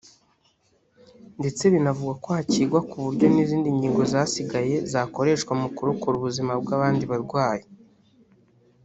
ndetse binavugwa ko hacyigwa ku buryo n’izindi ngingo zasigaye zakoreshwa mu kurokora ubuzima bw’abandi barwayi